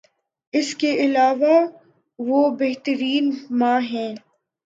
اس کے علاوہ وہ بہترین ماں ہیں